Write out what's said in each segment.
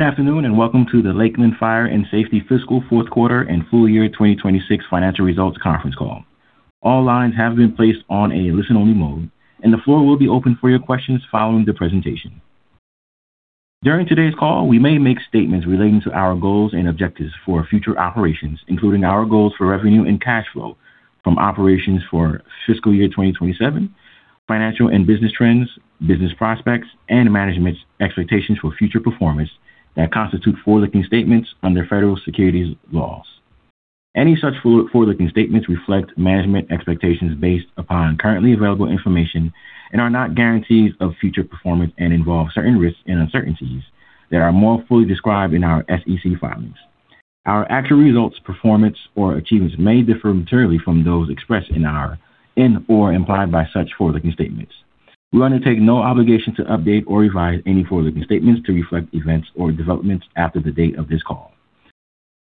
Good afternoon, and welcome to the Lakeland Fire + Safety fiscal Q4 and full-year 2026 Financial Results Conference Call. All lines have been placed on a listen-only mode, and the floor will be open for your questions following the presentation. During today's call, we may make statements relating to our goals and objectives for future operations, including our goals for revenue and cash flow from operations for FY2027, financial and business trends, business prospects, and management's expectations for future performance that constitute forward-looking statements under federal securities laws. Any such forward-looking statements reflect management expectations based upon currently available information and are not guarantees of future performance and involve certain risks and uncertainties that are more fully described in our SEC filings. Our actual results, performance, or achievements may differ materially from those expressed in or implied by such forward-looking statements. We undertake no obligation to update or revise any forward-looking statements to reflect events or developments after the date of this call.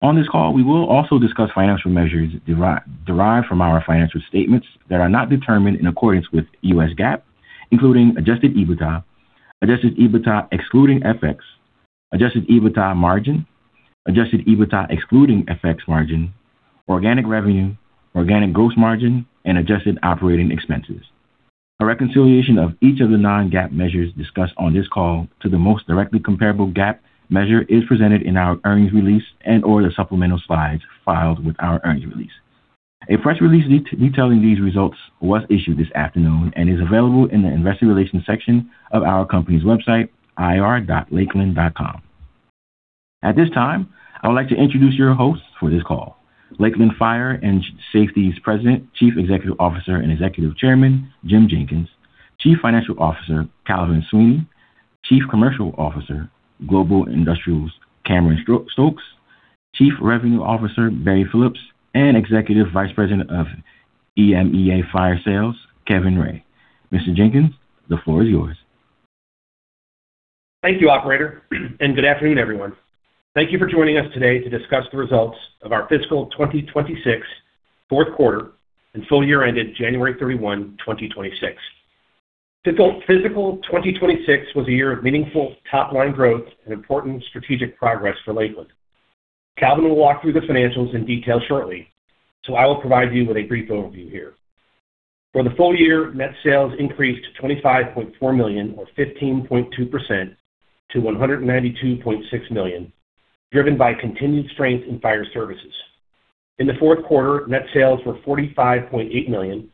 On this call, we will also discuss financial measures derived from our financial statements that are not determined in accordance with U.S. GAAP, including adjusted EBITDA, adjusted EBITDA excluding FX, adjusted EBITDA margin, adjusted EBITDA excluding FX margin, organic revenue, organic gross margin, and adjusted operating expenses. A reconciliation of each of the non-GAAP measures discussed on this call to the most directly comparable GAAP measure is presented in our earnings release and/or the supplemental slides filed with our earnings release. A press release detailing these results was issued this afternoon and is available in the investor relations section of our company's website, ir.lakeland.com. At this time, I would like to introduce your hosts for this call, Lakeland Fire + Safety's President, Chief Executive Officer, and Executive Chairman, James M. Jenkins, Chief Financial Officer, Roger D. Shannon, Chief Commercial Officer, Global Industrials, Cameron Stokes, Chief Revenue Officer, Barry Phillips, and Executive Vice President of EMEA Fire Sales, Kevin Rae. Mr. Jenkins, the floor is yours. Thank you, operator, and good afternoon, everyone. Thank you for joining us today to discuss the results of our FY2026 Q4 and full-year ended January 31, 2026. FY2026 was a year of meaningful top-line growth and important strategic progress for Lakeland. Roger will walk through the financials in detail shortly, so I will provide you with a brief overview here. For the full-year, net sales increased $25.4 million or 15.2% to $192.6 million, driven by continued strength in fire services. In the Q4, net sales were $45.8 million,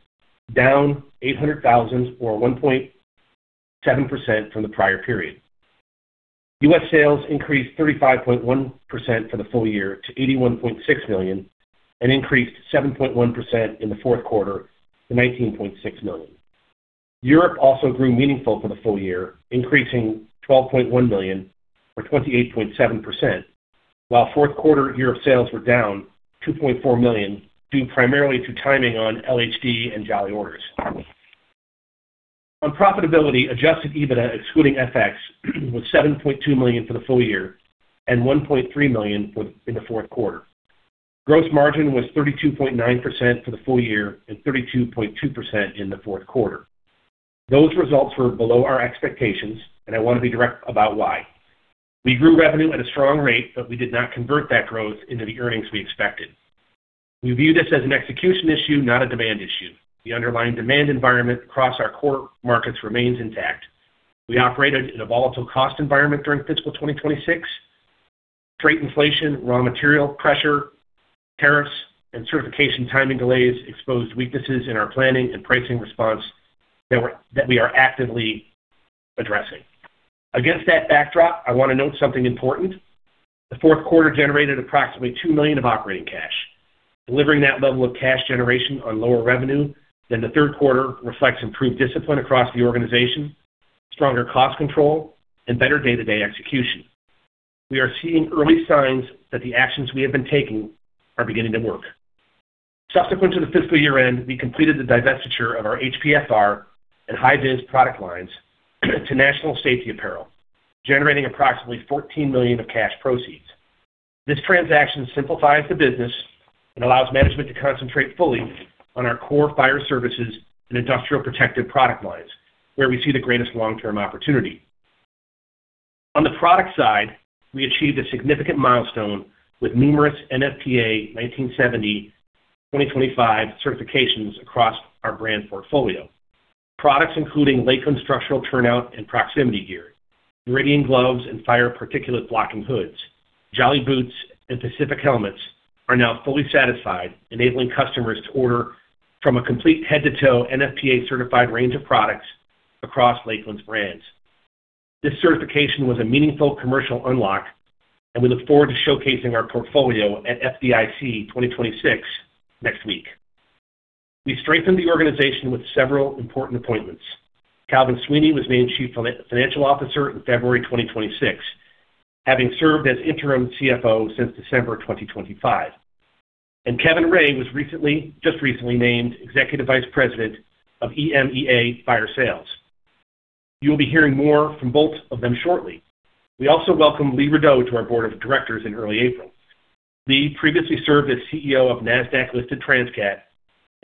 down $800,000 or 1.7% from the prior period. U.S. sales increased 35.1% for the full-year to $81.6 million and increased 7.1% in the Q4 to $19.6 million. Europe also grew meaningfully for the full-year, increasing $12.1 million or 28.7%, while Q4, year-over-year sales were down $2.4 million, due primarily to timing on LHD and Jolly orders. On profitability, adjusted EBITDA excluding FX was $7.2 million for the full-year and $1.3 million in the Q4. Gross margin was 32.9% for the full-year and 32.2% in the Q4. Those results were below our expectations, and I want to be direct about why. We grew revenue at a strong rate, but we did not convert that growth into the earnings we expected. We view this as an execution issue, not a demand issue. The underlying demand environment across our core markets remains intact. We operated in a volatile cost environment during FY2026. Freight inflation, raw material pressure, tariffs, and certification timing delays exposed weaknesses in our planning and pricing response that we are actively addressing. Against that backdrop, I want to note something important. The Q4 generated approximately $2 million of operating cash. Delivering that level of cash generation on lower revenue than the Q3 reflects improved discipline across the organization, stronger cost control, and better day-to-day execution. We are seeing early signs that the actions we have been taking are beginning to work. Subsequent to the fiscal year-end, we completed the divestiture of our HPFR and HiViz product lines to National Safety Apparel, generating approximately $14 million of cash proceeds. This transaction simplifies the business and allows management to concentrate fully on our core fire services and industrial protective product lines, where we see the greatest long-term opportunity. On the product side, we achieved a significant milestone with numerous NFPA 1970 (2025) certifications across our brand portfolio. Products including Lakeland structural turnout and proximity gear, Veridian gloves, and fire particulate-blocking hoods, Jolly boots, and Pacific Helmets are now fully certified, enabling customers to order from a complete head-to-toe NFPA-certified range of products across Lakeland's brands. This certification was a meaningful commercial unlock, and we look forward to showcasing our portfolio at FDIC 2026 next week. We strengthened the organization with several important appointments. Roger D. Shannon was named Chief Financial Officer in February 2026, having served as interim CFO since December 2025. Kevin Rae was just recently named Executive Vice President of EMEA Fire Sales. You'll be hearing more from both of them shortly. We also welcomed Lee Rudow to our Board of Directors in early April. Lee previously served as CEO of Nasdaq-listed Transcat.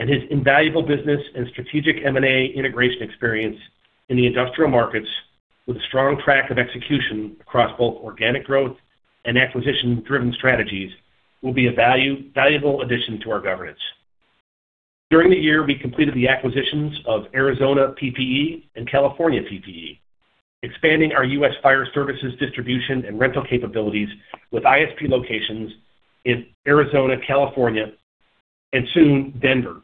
His invaluable business and strategic M&A integration experience in the industrial markets, with a strong track record of execution across both organic growth and acquisition-driven strategies, will be a valuable addition to our governance. During the year, we completed the acquisitions of Arizona PPE and California PPE, expanding our U.S. fire services distribution and rental capabilities with ISP locations in Arizona, California, and soon Denver.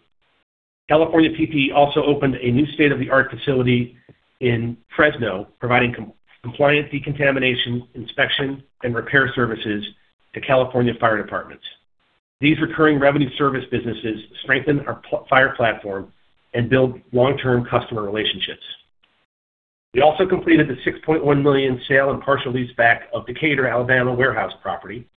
California PPE also opened a new state-of-the-art facility in Fresno, providing compliant decontamination, inspection, and repair services to California fire departments. These recurring revenue service businesses strengthen our fire platform and build long-term customer relationships. We also completed the $6.1 million sale and partial leaseback of Decatur, Alabama, warehouse property,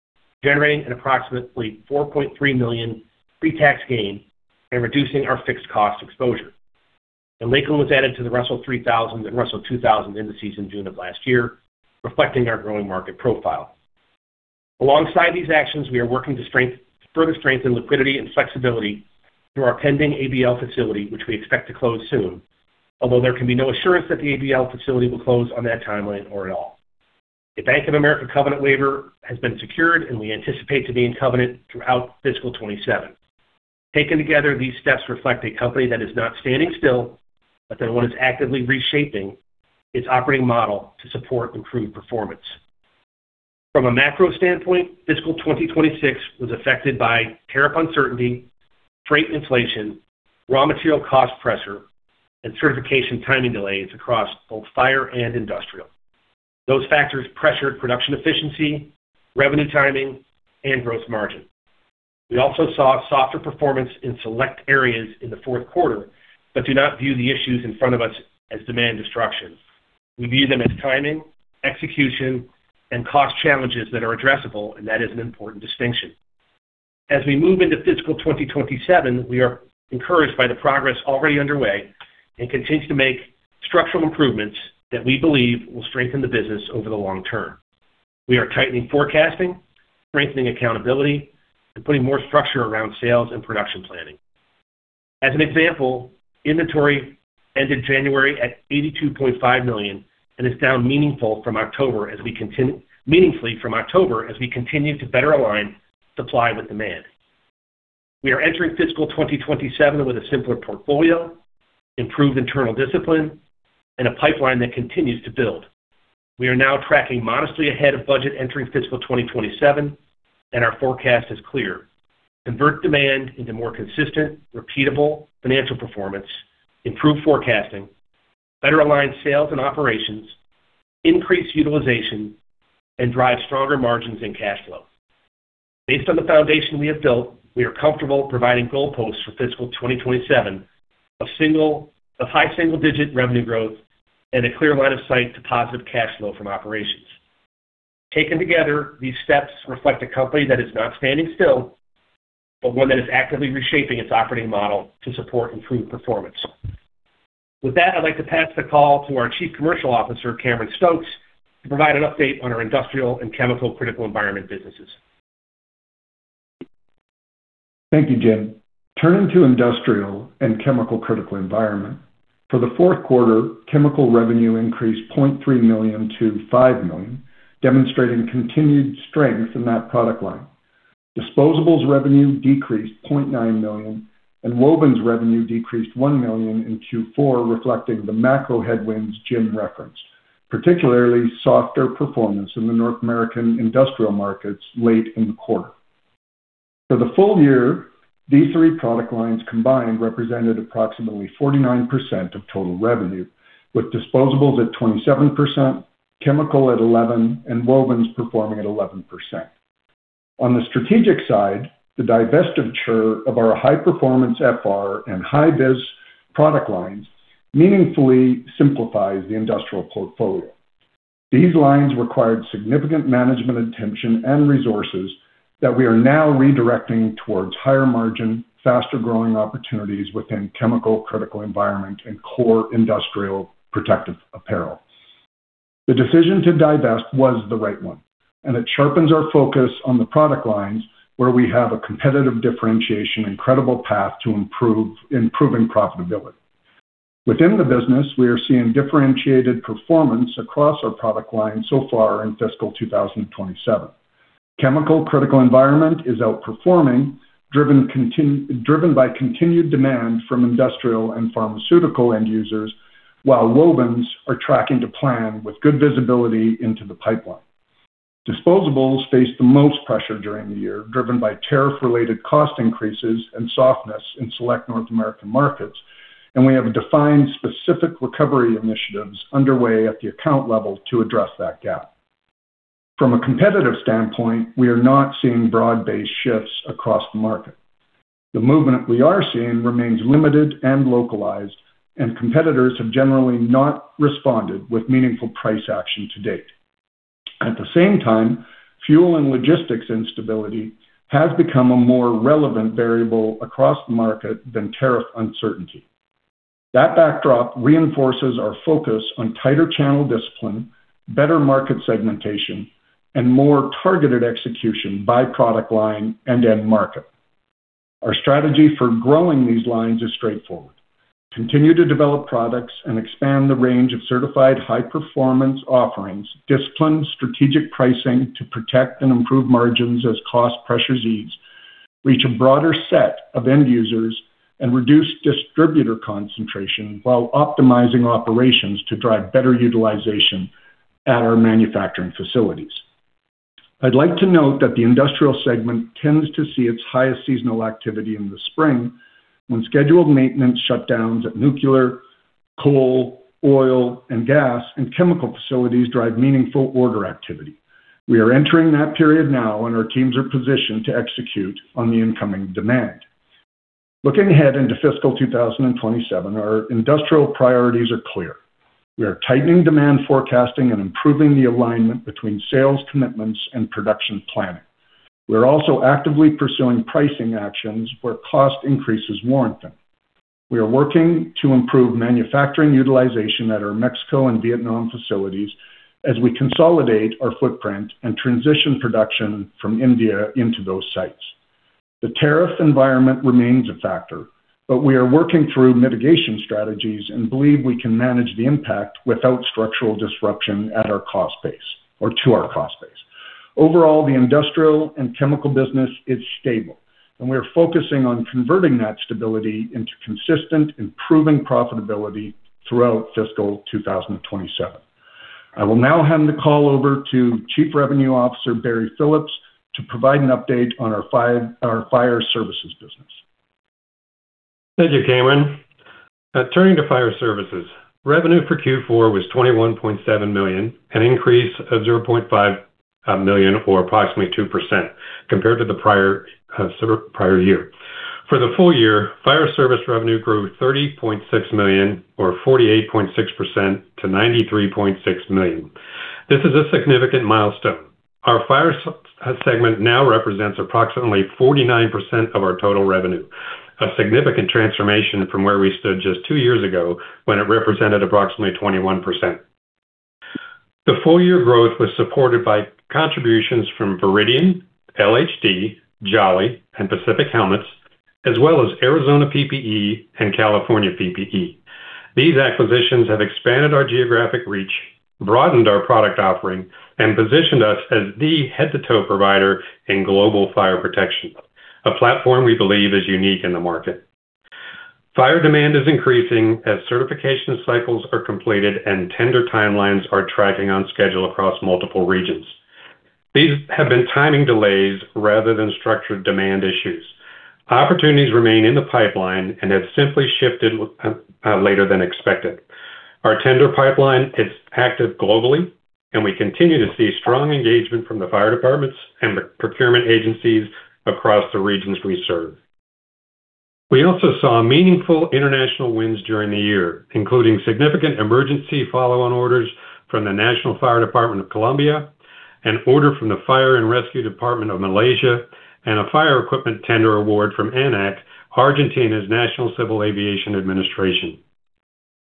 generating an approximately $4.3 million pre-tax gain and reducing our fixed cost exposure. Lakeland was added to the Russell 3000® and Russell 2000® indices in June of last year, reflecting our growing market profile. Alongside these actions, we are working to further strengthen liquidity and flexibility through our pending ABL facility, which we expect to close soon, although there can be no assurance that the ABL facility will close on that timeline or at all. A Bank of America covenant waiver has been secured, and we anticipate to be in covenant throughout fiscal 2027. Taken together, these steps reflect a company that is not standing still, but one that's actively reshaping its operating model to support improved performance. From a macro standpoint, FY2026 was affected by tariff uncertainty, freight inflation, raw material cost pressure, and certification timing delays across both fire and industrial. Those factors pressured production efficiency, revenue timing, and gross margin. We also saw softer performance in select areas in the Q4 but do not view the issues in front of us as demand destruction. We view them as timing, execution, and cost challenges that are addressable, and that is an important distinction. As we move into FY2027, we are encouraged by the progress already underway and continue to make structural improvements that we believe will strengthen the business over the long term. We are tightening forecasting, strengthening accountability, and putting more structure around sales and production planning. As an example, inventory ended January at $82.5 million and is down meaningfully from October as we continue to better align supply with demand. We are entering FY2027 with a simpler portfolio, improved internal discipline, and a pipeline that continues to build. We are now tracking modestly ahead of budget entering FY2027, and our forecast is clear. Convert demand into more consistent, repeatable financial performance, improve forecasting, better align sales and operations, increase utilization, and drive stronger margins and cash flow. Based on the foundation we have built, we are comfortable providing goalposts for FY2027 of high single-digit revenue growth and a clear line of sight to positive cash flow from operations. Taken together, these steps reflect a company that is not standing still, but one that is actively reshaping its operating model to support improved performance. With that, I'd like to pass the call to our Chief Commercial Officer, Cameron Stokes, to provide an update on our industrial and chemical critical environment businesses. Thank you, Jim. Turning to industrial and chemical critical environment. For the Q4, chemical revenue increased $0.3 million to $5 million, demonstrating continued strength in that product line. Disposables revenue decreased $0.9 million, and wovens revenue decreased $1 million in Q4, reflecting the macro headwinds Jim referenced, particularly softer performance in the North American industrial markets late in the quarter. For the full-year, these three product lines combined represented approximately 49% of total revenue, with disposables at 27%, chemical at 11%, and wovens performing at 11%. On the strategic side, the divestiture of our high-performance FR and high vis product lines meaningfully simplifies the industrial portfolio. These lines required significant management attention and resources that we are now redirecting towards higher-margin, faster-growing opportunities within chemical, critical environment, and core industrial protective apparel. The decision to divest was the right one, and it sharpens our focus on the product lines where we have a competitive differentiation and credible path to improving profitability. Within the business, we are seeing differentiated performance across our product lines so far in FY2027. Chemical critical environment is outperforming, driven by continued demand from industrial and pharmaceutical end users, while wovens are tracking to plan with good visibility into the pipeline. Disposables faced the most pressure during the year, driven by tariff-related cost increases and softness in select North American markets, and we have defined specific recovery initiatives underway at the account level to address that gap. From a competitive standpoint, we are not seeing broad-based shifts across the market. The movement we are seeing remains limited and localized, and competitors have generally not responded with meaningful price action to date. At the same time, fuel and logistics instability has become a more relevant variable across the market than tariff uncertainty. That backdrop reinforces our focus on tighter channel discipline, better market segmentation, and more targeted execution by product line and end market. Our strategy for growing these lines is straightforward. Continue to develop products and expand the range of certified high-performance offerings, disciplined strategic pricing to protect and improve margins as cost pressures ease, reach a broader set of end users, and reduce distributor concentration while optimizing operations to drive better utilization at our manufacturing facilities. I'd like to note that the industrial segment tends to see its highest seasonal activity in the spring, when scheduled maintenance shutdowns at nuclear, coal, oil and gas, and chemical facilities drive meaningful order activity. We are entering that period now, and our teams are positioned to execute on the incoming demand. Looking ahead into FY2027, our industrial priorities are clear. We are tightening demand forecasting and improving the alignment between sales commitments and production planning. We are also actively pursuing pricing actions where cost increases warrant them. We are working to improve manufacturing utilization at our Mexico and Vietnam facilities as we consolidate our footprint and transition production from India into those sites. The tariff environment remains a factor, but we are working through mitigation strategies and believe we can manage the impact without structural disruption at our cost base or to our cost base. Overall, the industrial and chemical business is stable, and we are focusing on converting that stability into consistent, improving profitability throughout FY2027. I will now hand the call over to Chief Revenue Officer Barry Phillips to provide an update on our fire services business. Thank you, Cameron. Turning to fire services. Revenue for Q4 was $21.7 million, an increase of $0.5 million or approximately 2% compared to the prior year. For the full-year, fire service revenue grew $30.6 million or 48.6% to $93.6 million. This is a significant milestone. Our fire segment now represents approximately 49% of our total revenue, a significant transformation from where we stood just two years ago when it represented approximately 21%. The full-year growth was supported by contributions from Veridian, LHD, Jolly, and Pacific Helmets, as well as Arizona PPE and California PPE. These acquisitions have expanded our geographic reach, broadened our product offering, and positioned us as the head-to-toe provider in global fire protection, a platform we believe is unique in the market. Fire demand is increasing as certification cycles are completed and tender timelines are tracking on schedule across multiple regions. These have been timing delays rather than structured demand issues. Opportunities remain in the pipeline and have simply shifted later than expected. Our tender pipeline is active globally, and we continue to see strong engagement from the fire departments and procurement agencies across the regions we serve. We also saw meaningful international wins during the year, including significant emergency follow-on orders from the National Fire Department of Colombia, an order from the Fire and Rescue Department of Malaysia, and a fire equipment tender award from ANAC, Argentina's National Civil Aviation Administration.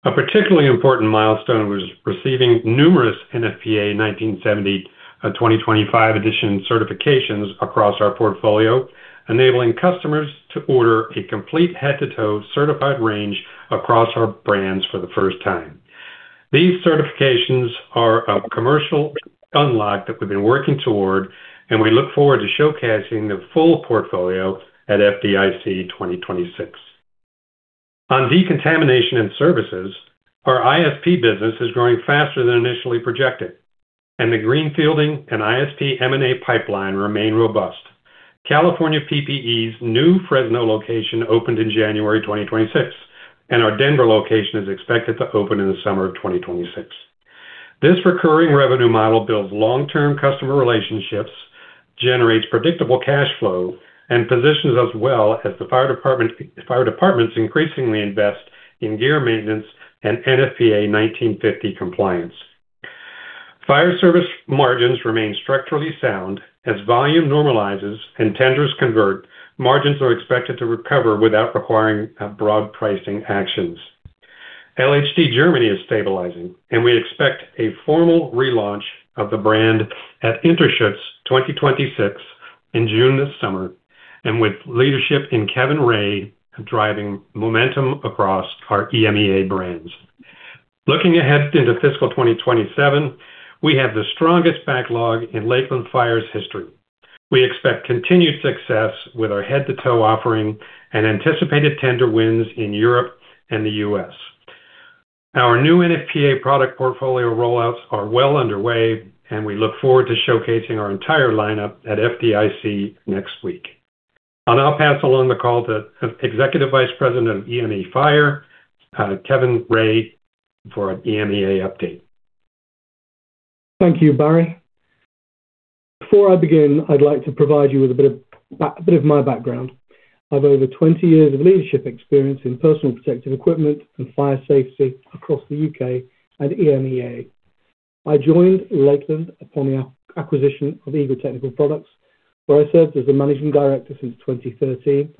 A particularly important milestone was receiving numerous NFPA 1970 (2025) edition certifications across our portfolio, enabling customers to order a complete head-to-toe certified range across our brands for the first time. These certifications are a commercial unlock that we've been working toward, and we look forward to showcasing the full portfolio at FDIC 2026. On decontamination and services, our ISP business is growing faster than initially projected, and the greenfielding and ISP M&A pipeline remain robust. California PPE's new Fresno location opened in January 2026, and our Denver location is expected to open in the summer of 2026. This recurring revenue model builds long-term customer relationships, generates predictable cash flow, and positions us well as the fire departments increasingly invest in gear maintenance and NFPA 1950 compliance. Fire service margins remain structurally sound. As volume normalizes and tenders convert, margins are expected to recover without requiring broad pricing actions. LHD Germany is stabilizing, and we expect a formal relaunch of the brand at INTERSCHUTZ 2026 in June this summer, and with leadership in Kevin Rae driving momentum across our EMEA brands. Looking ahead into FY2027, we have the strongest backlog in Lakeland Fire's history. We expect continued success with our head-to-toe offering and anticipated tender wins in Europe and the U.S. Our new NFPA product portfolio rollouts are well underway, and we look forward to showcasing our entire lineup at FDIC next week. I'll now pass along the call to Executive Vice President of EMEA Fire Sales, Kevin Rae, for an EMEA update. Thank you, Barry. Before I begin, I'd like to provide you with a bit of my background. I've over 20 years of leadership experience in personal protective equipment and fire safety across the U.K. and EMEA. I joined Lakeland upon the acquisition of Eagle Technical Products, where I served as the managing director since 2013,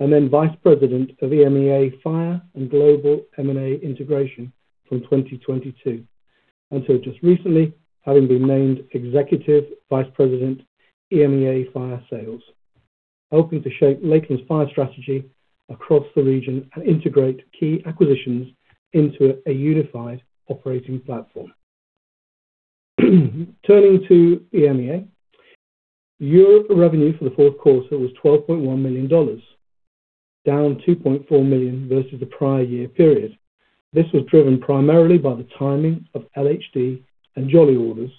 and then vice president of EMEA Fire and Global M&A Integration from 2022. Until just recently, having been named Executive Vice President, EMEA Fire Sales, helping to shape Lakeland's fire strategy across the region and integrate key acquisitions into a unified operating platform. Turning to EMEA. Europe revenue for the Q4 was $12.1 million, down $2.4 million versus the prior year period. This was driven primarily by the timing of LHD and Jolly orders,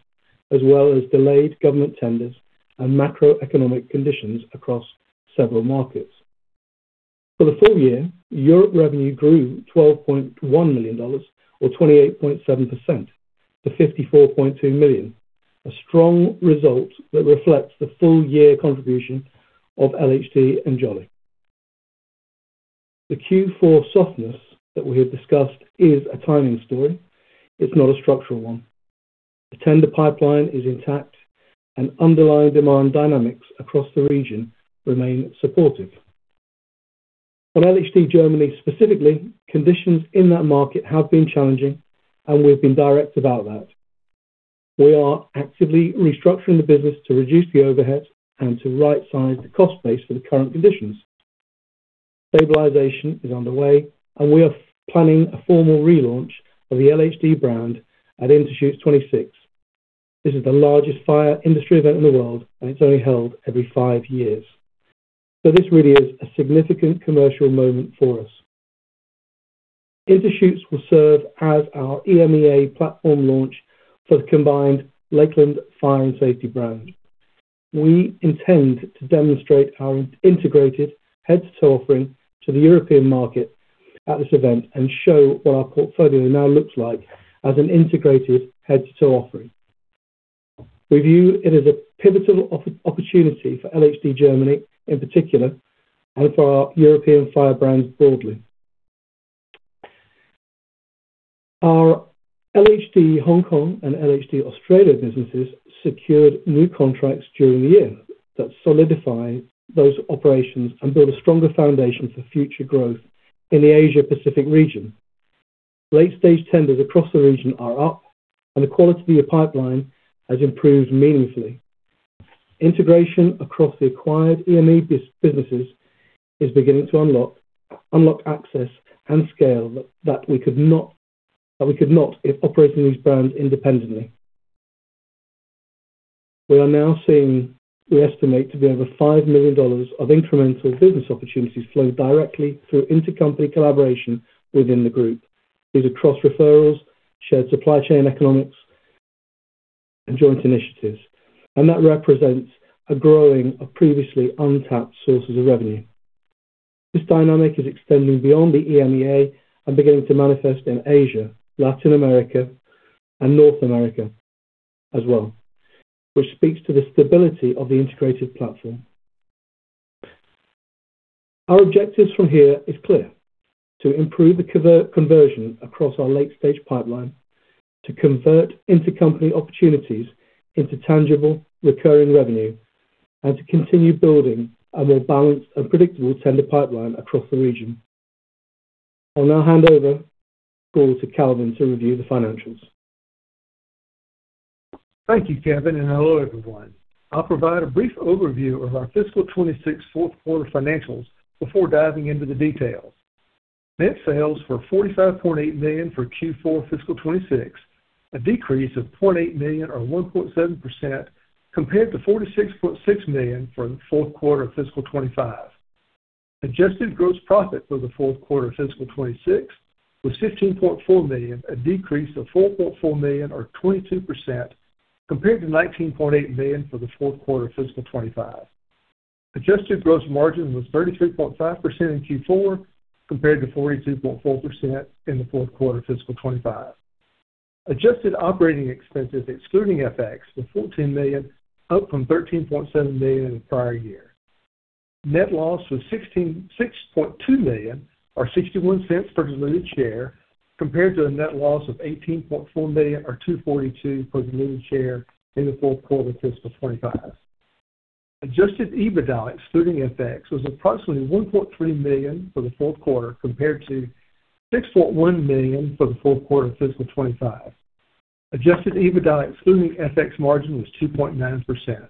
as well as delayed government tenders and macroeconomic conditions across several markets. For the full-year, Europe revenue grew $12.1 million or 28.7% to $54.2 million, a strong result that reflects the full-year contribution of LHD and Jolly. The Q4 softness that we have discussed is a timing story. It's not a structural one. The tender pipeline is intact and underlying demand dynamics across the region remain supportive. On LHD Germany, specifically, conditions in that market have been challenging, and we've been direct about that. We are actively restructuring the business to reduce the overhead and to right-size the cost base for the current conditions. Stabilization is underway and we are planning a formal relaunch of the LHD brand at INTERSCHUTZ 2026. This is the largest fire industry event in the world, and it's only held every five years. This really is a significant commercial moment for us. INTERSCHUTZ will serve as our EMEA platform launch for the combined Lakeland Fire + Safety brand. We intend to demonstrate our integrated end-to-end offering to the European market at this event and show what our portfolio now looks like as an integrated end-to-end offering. We view it as a pivotal opportunity for LHD Germany, in particular, and for our European fire brands broadly. Our LHD Hong Kong and LHD Australia businesses secured new contracts during the year that solidify those operations and build a stronger foundation for future growth in the Asia Pacific region. Late-stage tenders across the region are up, and the quality of pipeline has improved meaningfully. Integration across the acquired EMEA businesses is beginning to unlock access and scale that we could not if operating these brands independently. We are now seeing we estimate to be over $5 million of incremental business opportunities flow directly through intercompany collaboration within the group. These are cross referrals, shared supply chain economics, and joint initiatives, and that represents growth of previously untapped sources of revenue. This dynamic is extending beyond the EMEA and beginning to manifest in Asia, Latin America, and North America as well, which speaks to the stability of the integrated platform. Our objectives from here is clear to improve the conversion across our late-stage pipeline, to convert intercompany opportunities into tangible, recurring revenue, and to continue building a more balanced and predictable tender pipeline across the region. I'll now hand over the call to Calvin to review the financials. Thank you, Kevin, and hello, everyone. I'll provide a brief overview of our fiscal 2026 Q4 financials before diving into the details. Net sales were $45.8 million for Q4 fiscal 2026, a decrease of $0.8 million or 1.7% compared to $46.6 million from Q4 fiscal 2025. Adjusted gross profit for the Q4 fiscal 2026 was $15.4 million, a decrease of $4.4 million or 22% compared to $19.8 million for the Q4 fiscal 2025. Adjusted gross margin was 33.5% in Q4 compared to 42.4% in the Q4 fiscal 2025. Adjusted operating expenses excluding FX were $14 million, up from $13.7 million in the prior year. Net loss was $6.2 million or $0.61 per diluted share, compared to a net loss of $18.4 million or $2.42 per diluted share in the Q4 fiscal 2025. Adjusted EBITDA excluding FX was approximately $1.3 million for the Q4, compared to $6.1 million for the Q4 FY2025. Adjusted EBITDA excluding FX margin was 2.9%.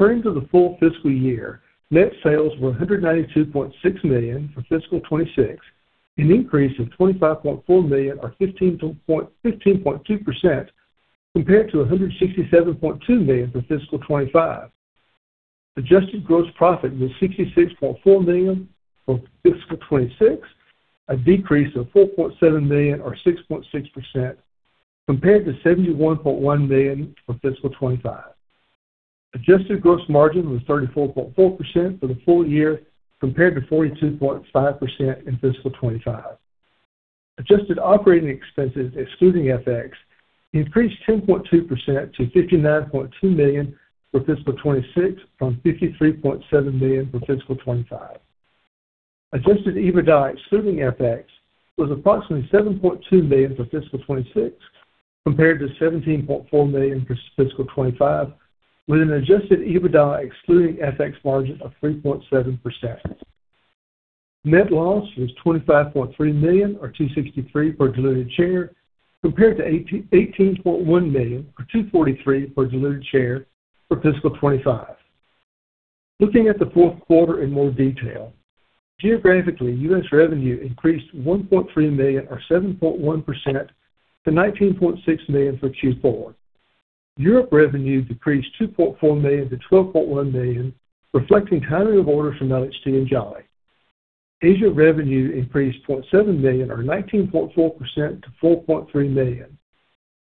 Turning to the full fiscal year, net sales were $192.6 million for FY2026, an increase of $25.4 million or 15.2% compared to $167.2 million for FY2025. Adjusted gross profit was $66.4 million for FY2026, a decrease of $4.7 million or 6.6% compared to $71.1 million for FY2025. Adjusted gross margin was 34.4% for the full-year compared to 42.5% in FY2025. Adjusted operating expenses excluding FX increased 10.2% to $59.2 million for fiscal 2026 from $53.7 million for FY2025. Adjusted EBITDA excluding FX was approximately $7.2 million for FY2026, compared to $17.4 million for FY2025, with an adjusted EBITDA excluding FX margin of 3.7%. Net loss was $25.3 million, or $2.63 per diluted share, compared to $18.1 million, or $2.43 per diluted share for FY2025. Looking at the Q4 in more detail, geographically, U.S. revenue increased $1.3 million, or 7.1%, to $19.6 million for Q4. Europe revenue decreased $2.4 million to $12.1 million, reflecting timing of orders from LHD and Jolly. Asia revenue increased $0.7 million, or 19.4%, to $4.3 million.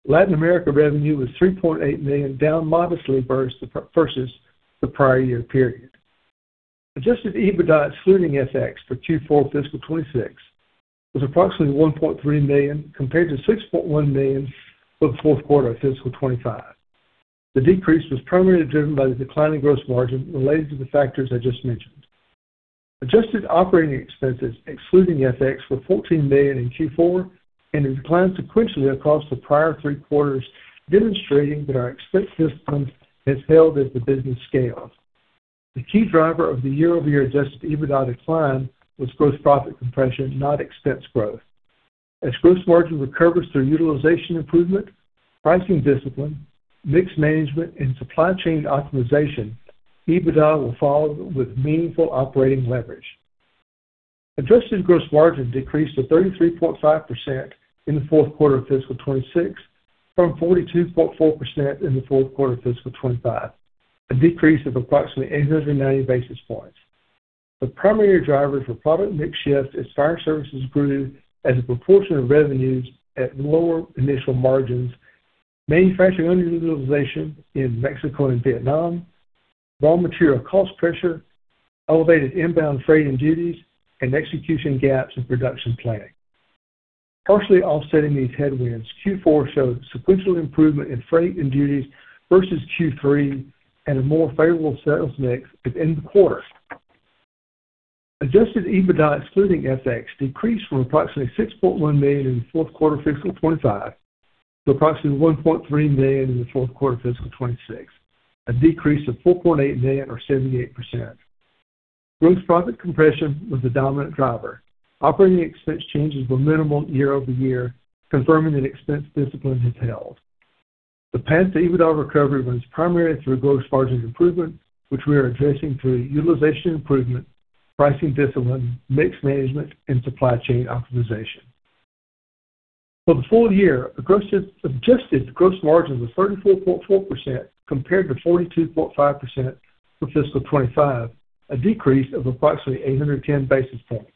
Latin America revenue was $3.8 million, down modestly versus the prior year period. Adjusted EBITDA excluding FX for Q4 FY2026 was approximately $1.3 million, compared to $6.1 million for the Q4 of FY2025. The decrease was primarily driven by the decline in gross margin related to the factors I just mentioned. Adjusted operating expenses excluding FX were $14 million in Q4 and declined sequentially across the prior three quarters, demonstrating that our expense discipline has held as the business scales. The key driver of the year-over-year adjusted EBITDA decline was gross profit compression, not expense growth. As gross margin recovers through utilization improvement, pricing discipline, mix management, and supply chain optimization, EBITDA will follow with meaningful operating leverage. Adjusted gross margin decreased to 33.5% in the Q4 of FY2026 from 42.4% in the Q4 of FY2025, a decrease of approximately 890 basis points. The primary drivers were product mix shift as fire services grew as a proportion of revenues at lower initial margins, manufacturing underutilization in Mexico and Vietnam, raw material cost pressure, elevated inbound freight and duties, and execution gaps in production planning. Partially offsetting these headwinds, Q4 showed sequential improvement in freight and duties versus Q3 and a more favorable sales mix within the quarter. Adjusted EBITDA excluding FX decreased from approximately $6.1 million in the Q4 of FY2025 to approximately $1.3 million in the Q4 of FY2026, a decrease of $4.8 million, or 78%. Gross profit compression was the dominant driver. Operating expense changes were minimal year-over-year, confirming that expense discipline has held. The path to EBITDA recovery runs primarily through gross margin improvement, which we are addressing through utilization improvement, pricing discipline, mix management, and supply chain optimization. For the full-year, adjusted gross margin was 34.4% compared to 42.5% for FY2025, a decrease of approximately 810 basis points.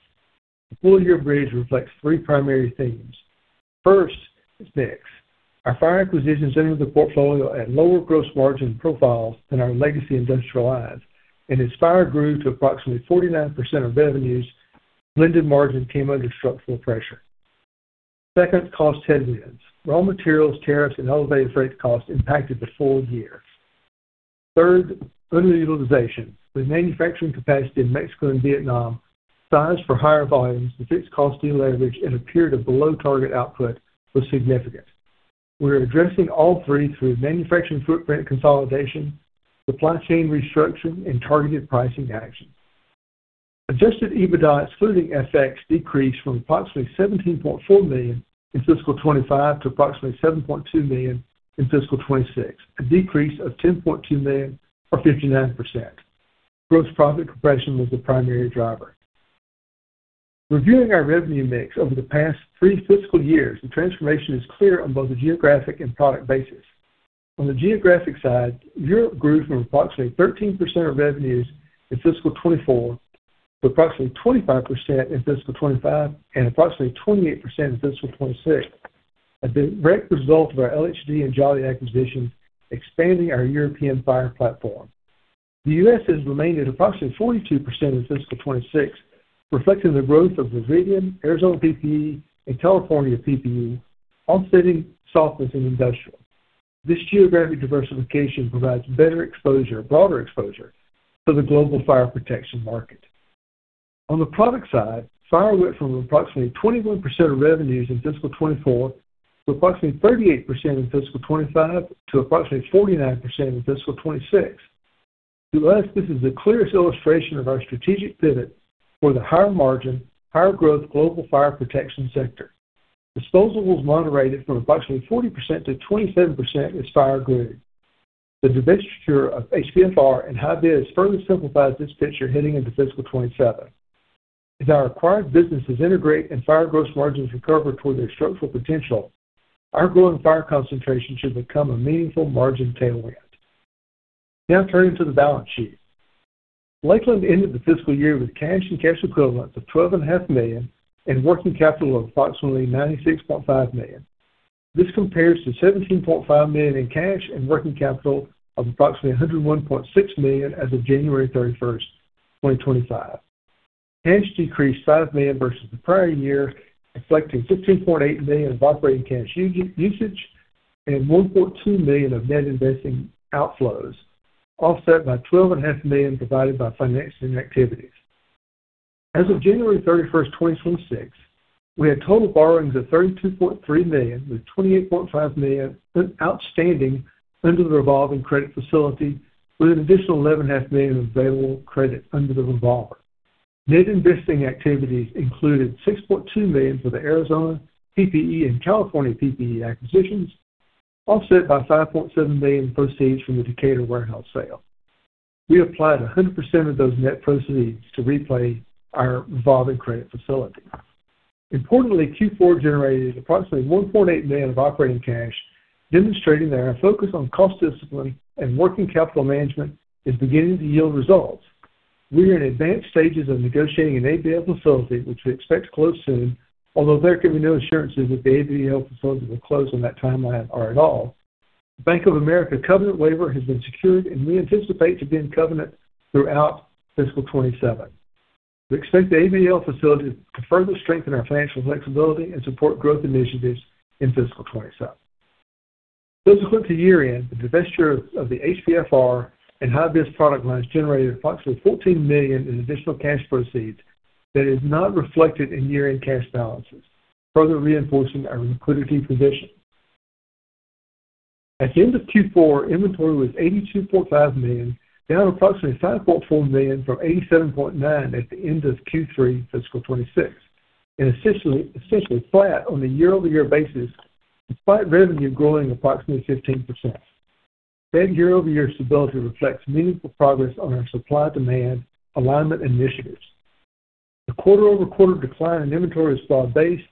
The full-year bridge reflects three primary themes. First is mix. Our fire acquisitions entered the portfolio at lower gross margin profiles than our legacy industrial lines. As fire grew to approximately 49% of revenues, blended margin came under structural pressure. Second, cost headwinds. Raw materials, tariffs, and elevated freight costs impacted the full-year. Third, underutilization. With manufacturing capacity in Mexico and Vietnam sized for higher volumes with fixed cost deleverage and a period of below-target output was significant. We are addressing all three through manufacturing footprint consolidation, supply chain restructuring, and targeted pricing action. Adjusted EBITDA excluding FX decreased from approximately $17.4 million in FY2025 to approximately $7.2 million in FY2026, a decrease of $10.2 million, or 59%. Gross profit compression was the primary driver. Reviewing our revenue mix over the past three fiscal years, the transformation is clear on both a geographic and product basis. On the geographic side, Europe grew from approximately 13% of revenues in FY2024 to approximately 25% in FY2025 and approximately 28% in FY2026, a direct result of our LHD and Jolly acquisition expanding our European fire platform. The U.S. has remained at approximately 42% in FY2026, reflecting the growth of Resilient, Arizona PPE, and California PPE, offsetting softness in industrial. This geographic diversification provides better exposure, broader exposure to the global fire protection market. On the product side, fire went from approximately 21% of revenues in fiscal 2024, to approximately 38% in FY2025, to approximately 49% in FY2026. To us, this is the clearest illustration of our strategic pivot for the higher-margin, higher-growth global fire protection sector. Disposables moderated from approximately 40%-27% as fire grew. The divestiture of HPFR and HiViz further simplifies this picture heading into FY2027. As our acquired businesses integrate and fire gross margins recover toward their structural potential, our growing fire concentration should become a meaningful margin tailwind. Now turning to the balance sheet. Lakeland ended the fiscal year with cash and cash equivalents of $12.5 million and working capital of approximately $96.5 million. This compares to $17.5 million in cash and working capital of approximately $101.6 million as of January 31, 2025. Cash decreased $5 million versus the prior year, reflecting $15.8 million of operating cash usage and $1.4 million of net investing outflows, offset by $12.5 million provided by financing activities. As of January 31, 2026, we had total borrowings of $32.3 million with $28.5 million outstanding under the revolving credit facility, with an additional $11.5 million of available credit under the revolver. Net investing activities included $6.2 million for the Arizona PPE and California PPE acquisitions, offset by $5.7 million proceeds from the Decatur warehouse sale. We applied 100% of those net proceeds to repay our revolving credit facility. Importantly, Q4 generated approximately $1.8 million of operating cash, demonstrating that our focus on cost discipline and working capital management is beginning to yield results. We are in advanced stages of negotiating an ABL facility, which we expect to close soon, although there can be no assurances that the ABL facility will close on that timeline or at all. Bank of America covenant waiver has been secured, and we anticipate to be in covenant throughout FY2027. We expect the ABL facility to further strengthen our financial flexibility and support growth initiatives in FY2027. Close to year-end, the divestiture of the HiViz and HPFR product lines generated approximately $14 million in additional cash proceeds that is not reflected in year-end cash balances, further reinforcing our liquidity position. At the end of Q4, inventory was $82.5 million, down approximately $5.4 million from $87.9 at the end of Q3 FY2026, and essentially flat on a year-over-year basis despite revenue growing approximately 15%. That year-over-year stability reflects meaningful progress on our supply-demand alignment initiatives. The quarter-over-quarter decline in inventory is broad-based.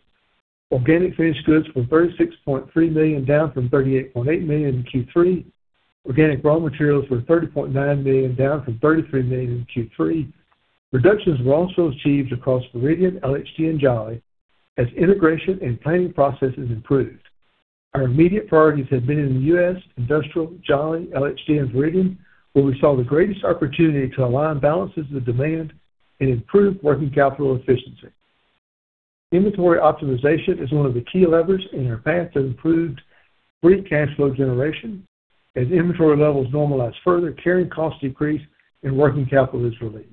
Organic finished goods were $36.3 million, down from $38.8 million in Q3. Organic raw materials were $30.9 million, down from $33 million in Q3. Reductions were also achieved across Veridian, LHD, and Jolly as integration and planning processes improved. Our immediate priorities have been in the U.S., Industrial, Jolly, LXT, and Veridian, where we saw the greatest opportunity to align balances with demand and improve working capital efficiency. Inventory optimization is one of the key levers in our path to improved free cash flow generation. As inventory levels normalize further, carrying costs decrease and working capital is released.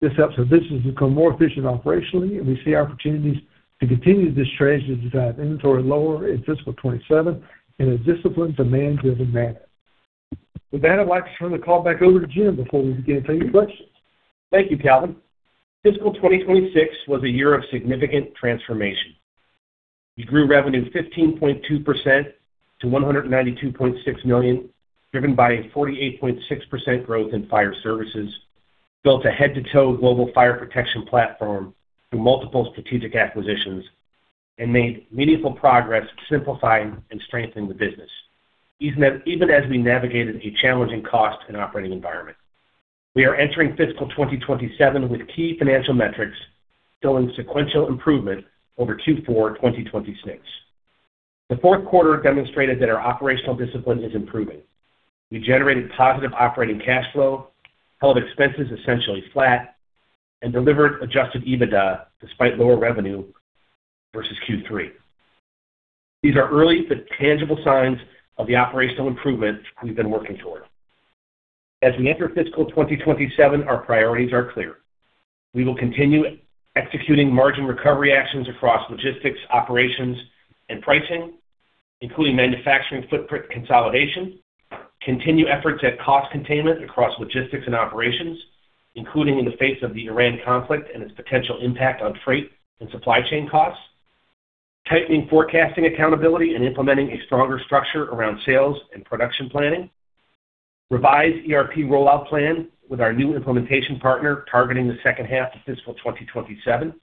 This helps our business become more efficient operationally, and we see opportunities to continue this trend as we drive inventory lower in FY2027 in a disciplined, demand-driven manner. With that, I'd like to turn the call back over to Jim before we begin to take questions. Thank you, Roger D. Shannon. FY2026 was a year of significant transformation. We grew revenue 15.2% to $192.6 million, driven by a 48.6% growth in fire services, built a head-to-toe global fire protection platform through multiple strategic acquisitions, and made meaningful progress simplifying and strengthening the business, even as we navigated a challenging cost and operating environment. We are entering FY2027 with key financial metrics showing sequential improvement over Q4 2026. The Q4 demonstrated that our operational discipline is improving. We generated positive operating cash flow, held expenses essentially flat, and delivered adjusted EBITDA despite lower revenue versus Q3. These are early but tangible signs of the operational improvements we've been working toward. As we enter FY2027, our priorities are clear. We will continue executing margin recovery actions across logistics, operations, and pricing, including manufacturing footprint consolidation. Continue efforts at cost containment across logistics and operations, including in the face of the Iran conflict and its potential impact on freight and supply chain costs. Tightening forecasting accountability and implementing a stronger structure around sales and production planning. Revise ERP rollout plan with our new implementation partner targeting the second half of FY2027.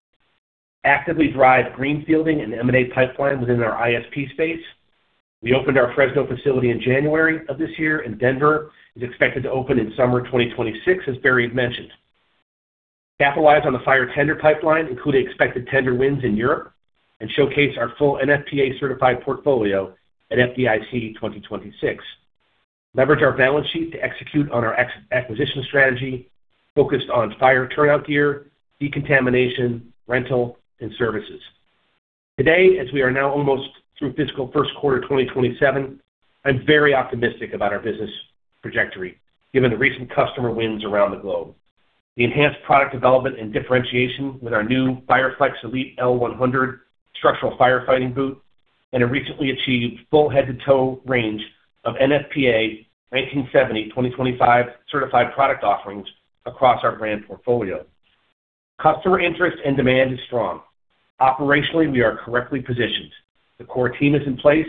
Actively drive greenfielding and M&A pipeline within our ISP space. We opened our Fresno facility in January of this year, and Denver is expected to open in summer 2026, as Barry mentioned. Capitalize on the fire tender pipeline, including expected tender wins in Europe, and showcase our full NFPA certified portfolio at FDIC 2026. Leverage our balance sheet to execute on our acquisition strategy focused on fire turnout gear, decontamination, rental, and services. Today, as we are now almost through fiscal Q1 2027, I'm very optimistic about our business trajectory, given the recent customer wins around the globe, the enhanced product development and differentiation with our new FireFlex Elite L-100 structural firefighting boot, and a recently achieved full head-to-toe range of NFPA 1970 2025 certified product offerings across our brand portfolio. Customer interest and demand is strong. Operationally, we are correctly positioned. The core team is in place,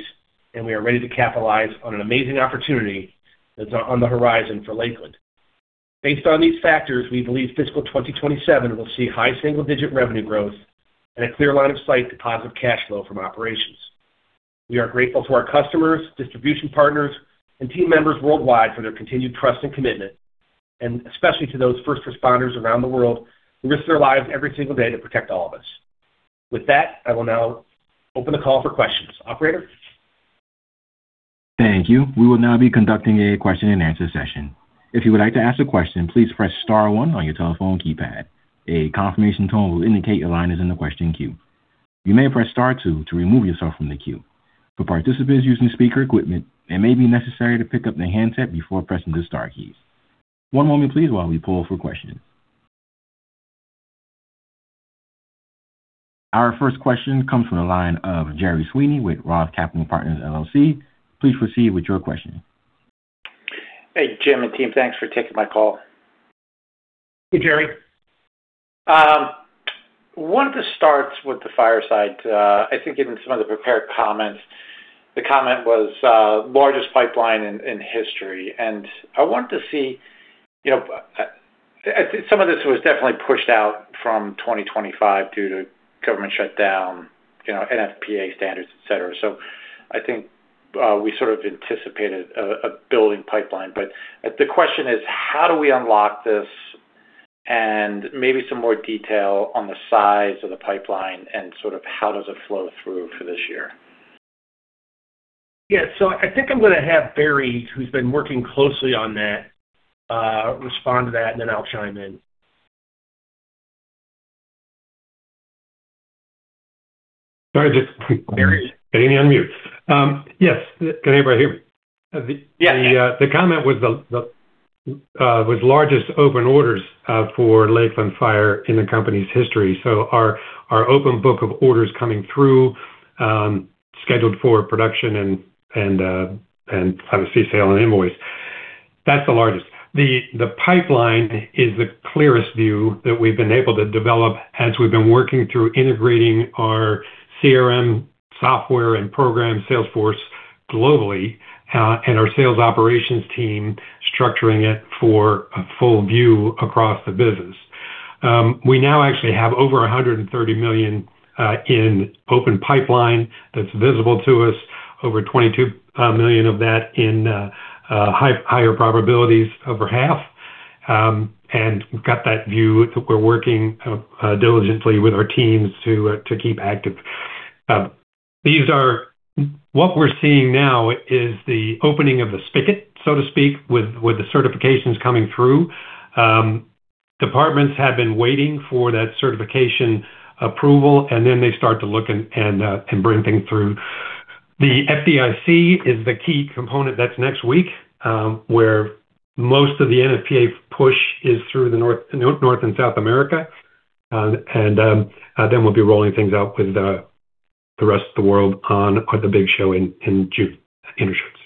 and we are ready to capitalize on an amazing opportunity that's on the horizon for Lakeland. Based on these factors, we believe FY2027 will see high single-digit revenue growth and a clear line of sight to positive cash flow from operations. We are grateful to our customers, distribution partners, and team members worldwide for their continued trust and commitment, and especially to those first responders around the world who risk their lives every single day to protect all of us. With that, I will now open the call for questions. Operator? Thank you. We will now be conducting a question and answer session. If you would like to ask a question, please press star one on your telephone keypad. A confirmation tone will indicate your line is in the question queue. You may press star two to remove yourself from the queue. For participants using speaker equipment, it may be necessary to pick up the handset before pressing the star keys. One moment please, while we poll for questions. Our first question comes from the line of Gerard Sweeney with ROTH Capital Partners, LLC. Please proceed with your question. Hey, James M. Jenkins and team. Thanks for taking my call. Hey, Gerard. Wanted to start with the fireside. I think given some of the prepared comments, the comment was largest pipeline in history, and I wanted to see. Some of this was definitely pushed out from 2025 due to government shutdown, NFPA standards, et cetera. I think we sort of anticipated a building pipeline, but the question is how do we unlock this and maybe some more detail on the size of the pipeline and sort of how does it flow through for this year? Yeah. I think I'm going to have Barry, who's been working closely on that, respond to that, and then I'll chime in. Sorry, just- Barry Putting you on mute. Yes. Can everybody hear me? Yes. The comment was largest open orders for Lakeland Fire in the company's history. Our open book of orders coming through, scheduled for production, and obviously sale and invoice, that's the largest. The pipeline is the clearest view that we've been able to develop as we've been working through integrating our CRM software and program Salesforce globally, and our sales operations team structuring it for a full view across the business. We now actually have over $130 million in open pipeline that's visible to us. Over $22 million of that in higher probabilities over half. We've got that view that we're working diligently with our teams to keep active. What we're seeing now is the opening of the spigot, so to speak, with the certifications coming through. Departments have been waiting for that certification approval, and then they start to look and bring things through. The FDIC is the key component, that's next week, where most of the NFPA push is throughout North and South America. We'll be rolling things out with the rest of the world on the big show in June. INTERSCHUTZ.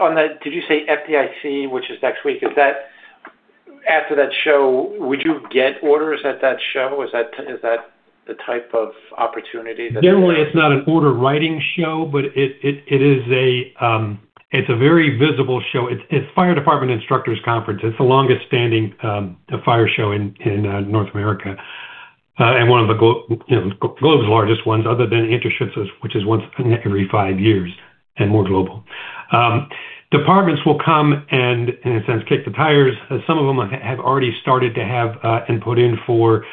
On that, did you say FDIC, which is next week? After that show, would you get orders at that show? Is that the type of opportunity that? Generally, it's not an order writing show, but it's a very visible show. It's Fire Department Instructors Conference. It's the longest standing fire show in North America. One of the globe's largest ones, other than INTERSCHUTZ, which is once every five years and more global. Departments will come and, in a sense, kick the tires. Some of them have already started to have input in for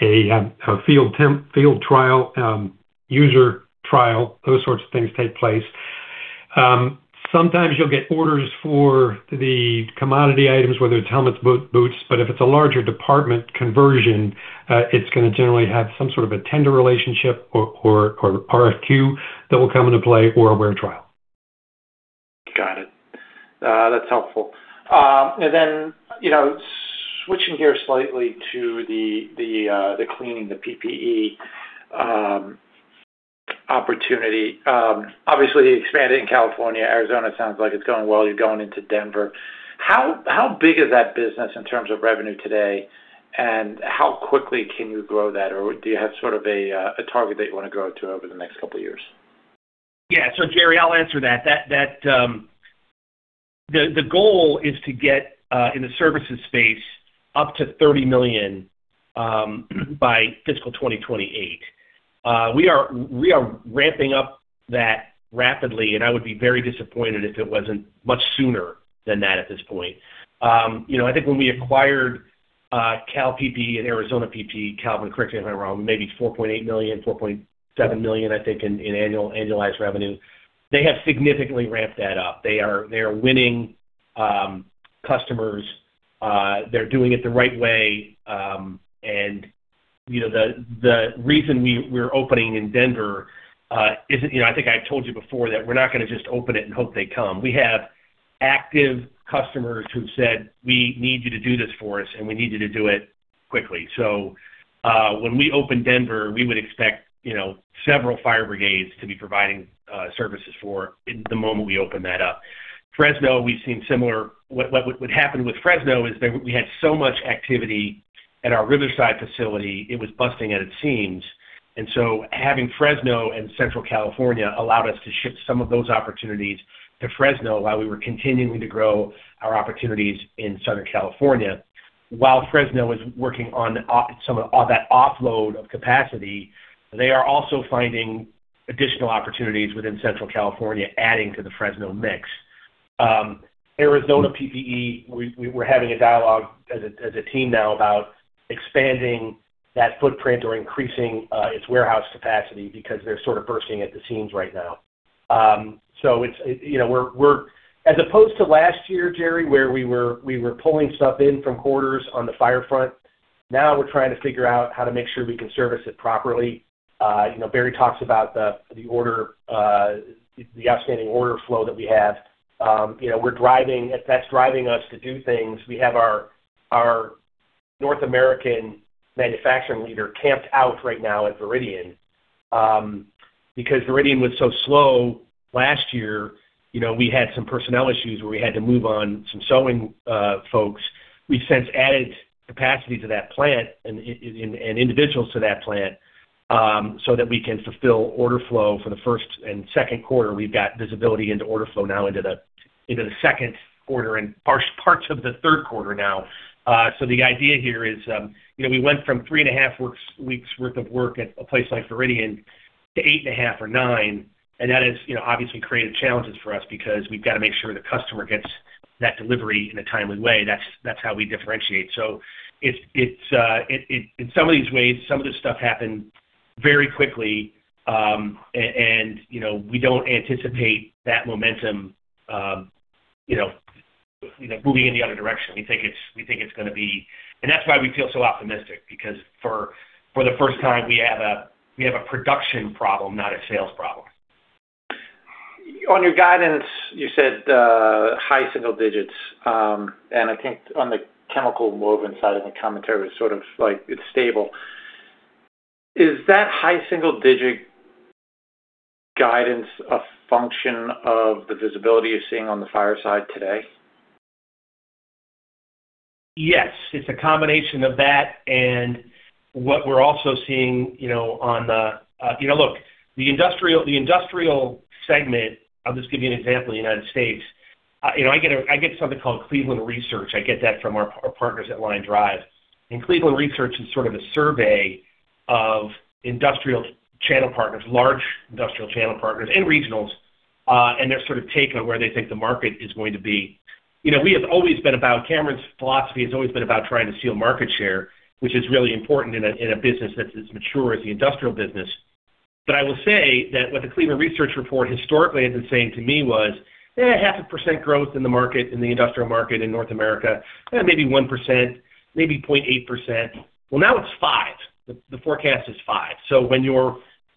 a field trial, user trial, those sorts of things take place. Sometimes you'll get orders for the commodity items, whether it's helmets, boots, but if it's a larger department conversion, it's going to generally have some sort of a tender relationship or RFQ that will come into play or a wear trial. Got it. That's helpful. Switching here slightly to the cleaning, the PPE opportunity. Obviously, expanded in California, Arizona sounds like it's going well. You're going into Denver. How big is that business in terms of revenue today, and how quickly can you grow that? Or do you have sort of a target that you want to grow to over the next couple of years? Yeah. Jerry, I'll answer that. The goal is to get, in the services space, up to $30 million by FY2028. We are ramping up that rapidly, and I would be very disappointed if it wasn't much sooner than that at this point. I think when we acquired California PPE Recon and Arizona PPE Recon, Calvin, correct me if I'm wrong, maybe $4.8 million, $4.7 million, I think, in annualized revenue. They have significantly ramped that up. They are winning customers. They're doing it the right way. The reason we're opening in Denver isn't. I think I told you before that we're not going to just open it and hope they come. We have active customers who said, "We need you to do this for us, and we need you to do it quickly." When we open Denver, we would expect several fire brigades to be providing services for the moment we open that up. Fresno, we've seen similar. What happened with Fresno is that we had so much activity at our Riverside facility, it was busting at its seams. Having Fresno and Central California allowed us to ship some of those opportunities to Fresno while we were continuing to grow our opportunities in Southern California. While Fresno is working on some of that offload of capacity, they are also finding additional opportunities within Central California, adding to the Fresno mix. Arizona PPE, we're having a dialogue as a team now about expanding that footprint or increasing its warehouse capacity because they're sort of bursting at the seams right now. As opposed to last year, Jerry, where we were pulling stuff in from quarters on the fire front, now we're trying to figure out how to make sure we can service it properly. Barry talks about the outstanding order flow that we have. That's driving us to do things. We have our North American manufacturing leader camped out right now at Veridian. Because Veridian was so slow last year, we had some personnel issues where we had to move on some sewing folks. We've since added capacity to that plant and individuals to that plant, so that we can fulfill order flow for the first and Q2. We've got visibility into order flow now into the second quarter and parts of the Q3 now. The idea here is, we went from three and a half weeks worth of work at a place like Veridian to eight and a half or nine, and that has obviously created challenges for us because we've got to make sure the customer gets that delivery in a timely way. That's how we differentiate. In some of these ways, some of this stuff happened very quickly, and we don't anticipate that momentum moving in the other direction. We think it's going to be, and that's why we feel so optimistic because for the first time we have a production problem, not a sales problem. On your guidance, you said high single digits. I think on the chemical woven side of the commentary was sort of like it's stable. Is that high single-digit guidance a function of the visibility you're seeing on the fire side today? Yes, it's a combination of that and what we're also seeing. Look, the industrial segment, I'll just give you an example in the United States. I get something called Cleveland Research. I get that from our partners at Line Drive. Cleveland Research is sort of a survey of industrial channel partners, large industrial channel partners and regionals, and their sort of take on where they think the market is going to be. Cameron's philosophy has always been about trying to steal market share, which is really important in a business that's as mature as the industrial business. I will say that what the Cleveland Research Report historically has been saying to me was, "Half a percent growth in the market, in the industrial market in North America, maybe 1%, maybe 0.8%." Well, now it's 5%. The forecast is 5%. When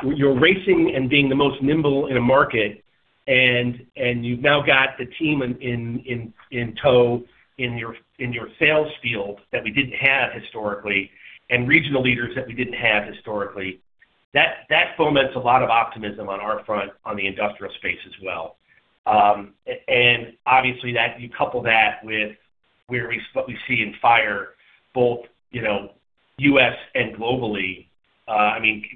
you're racing and being the most nimble in a market, and you've now got the team in tow in your sales field that we didn't have historically, and regional leaders that we didn't have historically, that foments a lot of optimism on our front on the industrial space as well. Obviously, you couple that with what we see in fire, both U.S. and globally.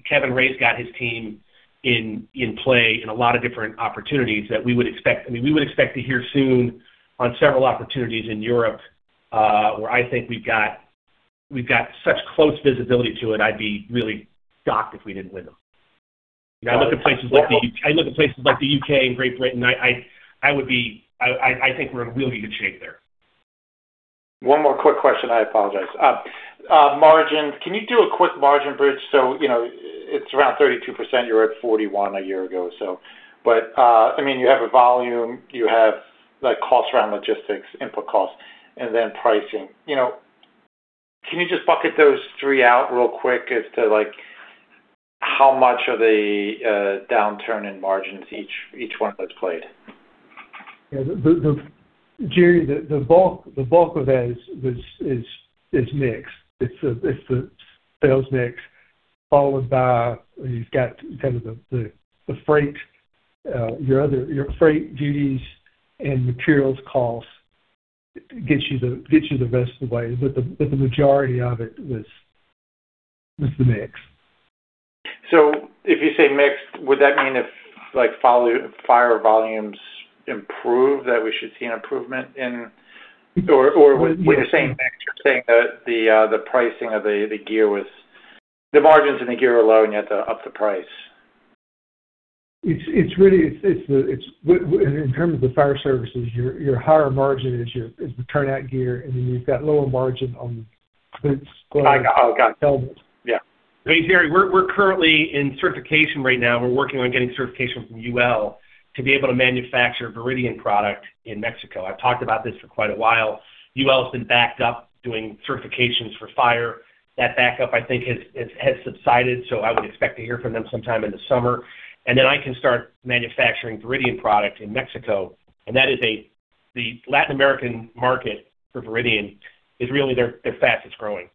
Kevin Rae's got his team in play in a lot of different opportunities that we would expect to hear soon on several opportunities in Europe, where I think we've got such close visibility to it, I'd be really shocked if we didn't win them. I look at places like the U.K. and Great Britain. I think we're in really good shape there. One more quick question, I apologize. Margins. Can you do a quick margin bridge? It's around 32%. You were at 41% a year ago or so. You have a volume, you have costs around logistics, input costs, and then pricing. Can you just bucket those three out real quick as to how much of a downturn in margins each one has played? Yeah. Jerry, the bulk of that is mixed. It's the sales mix, followed by, you've got kind of the freight, your freight duties and materials costs gets you the rest of the way. The majority of it was the mix. If you say mix, would that mean if fire volumes improve that we should see an improvement or with the same mix? You're saying that the pricing of the gear the margins in the gear are allowing you to up the price. In terms of the fire services, your higher margin is the turnout gear, and then you've got lower margin on boots, gloves. I got you. helmets. Yeah. Hey, Jerry, we're currently in certification right now. We're working on getting certification from UL to be able to manufacture Veridian product in Mexico. I've talked about this for quite a while. UL's been backed up doing certifications for fire. That backup, I think, has subsided, so I would expect to hear from them sometime in the summer. Then I can start manufacturing Veridian product in Mexico. The Latin American market for Veridian is really their fastest-growing.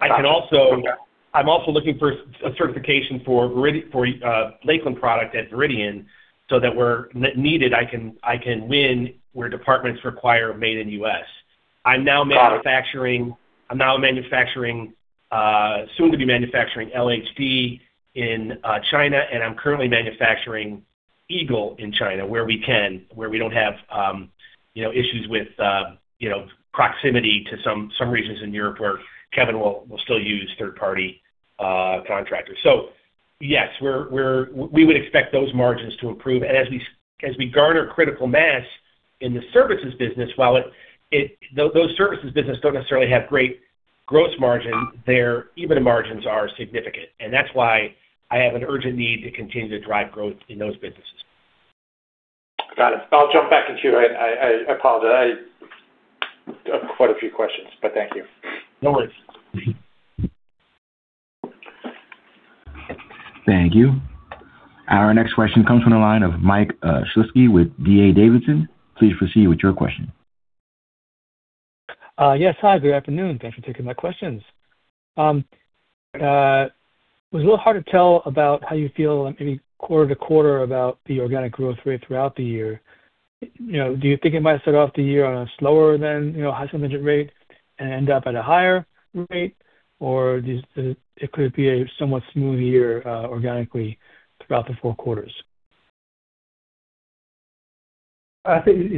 Got it. Okay. I'm also looking for a certification for Lakeland product at Veridian, so that where needed, I can win where departments require made in U.S. Got it. I'm now soon to be manufacturing LHD in China, and I'm currently manufacturing Eagle in China, where we can, where we don't have issues with proximity to some regions in Europe where Kevin will still use third-party contractors. Yes, we would expect those margins to improve. As we garner critical mass in the services business, while those services business don't necessarily have great gross margin, their EBITDA margins are significant. That's why I have an urgent need to continue to drive growth in those businesses. Got it. I'll jump back in, too. I apologize. I have quite a few questions, but thank you. No worries. Thank you. Our next question comes from the line of Mike Shlisky with D.A. Davidson. Please proceed with your question. Yes. Hi, good afternoon. Thanks for taking my questions. It was a little hard to tell about how you feel maybe quarter to quarter about the organic growth rate throughout the year. Do you think it might start off the year on a slower than high single-digit rate and end up at a higher rate? Or it could be a somewhat smooth year organically throughout the four quarters? I think,